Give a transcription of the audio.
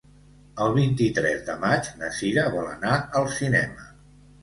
El vint-i-tres de maig na Cira vol anar al cinema.